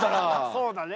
そうだね